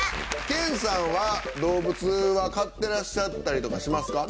研さんは動物は飼ってらっしゃったりとかしますか？